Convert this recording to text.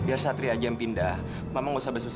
biar satria aja yang pindah mama gak usah bes bes